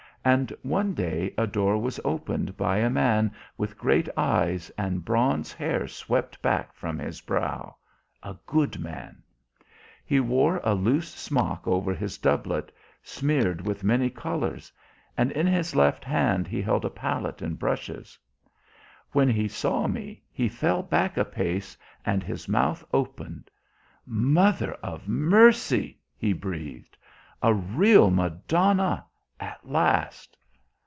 And one day a door was opened by a man with great eyes and bronze hair swept back from his brow a good man. He wore a loose smock over his doublet, smeared with many colours, and in his left hand he held a palette and brushes. When he saw me he fell back a pace and his mouth opened. 'Mother of mercy!' he breathed. 'A real Madonna at last!'